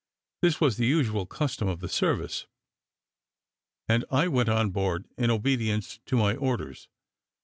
This was the usual custom of the service, and I went on board in obedience to my orders.